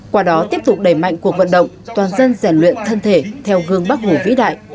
qua đó tiếp tục đẩy mạnh cuộc vận động toàn dân giải luyện thân thể theo gương bác hủ vĩ đại